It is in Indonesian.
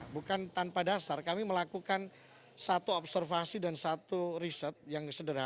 bukan tanpa dasar kami melakukan satu observasi dan satu riset yang sederhana